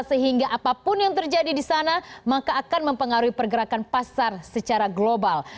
sehingga apapun yang terjadi di sana maka akan mempengaruhi pergerakan pasar secara global